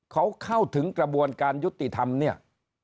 เขาเข้าถึงกระบวนการยุติธรรมเนี่ย